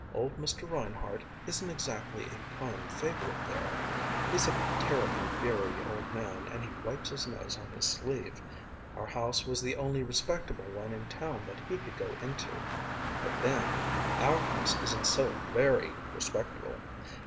"Old Mr. Reinhardt isn't exactly a prime favorite there. He's a terribly beery old man, and he wipes his nose on his sleeve. Our house was the only respectable one in town that he could go into. But then, our house isn't so very respectable.